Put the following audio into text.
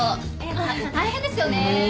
大変ですよね。